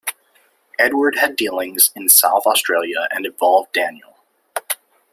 Edward had dealings in South Australia and involved Daniel.